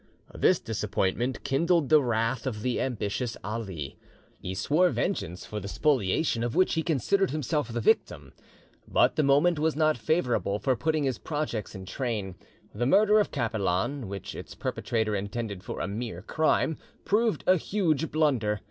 This disappointment kindled the wrath of the ambitious Ali. He swore vengeance for the spoliation of which he considered himself the victim. But the moment was not favourable for putting his projects in train. The murder of Capelan, which its perpetrator intended for a mere crime, proved a huge blunder.